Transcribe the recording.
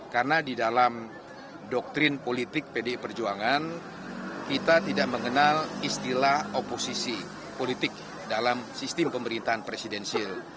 karena di dalam doktrin politik bdi perjuangan kita tidak mengenal istilah oposisi politik dalam sistem pemerintahan presidensil